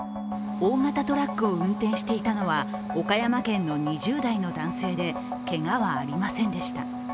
大型トラックを運転していたのは岡山県の２０代の男性でけがはありませんでした。